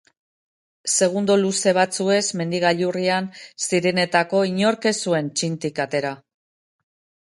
Segundo luze batzuez mendi gailurrean zirenetako inork ez zuen txintik atera.